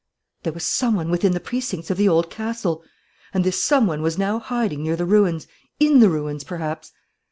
There was some one within the precincts of the Old Castle! And this some one was now hiding near the ruins, in the ruins perhaps!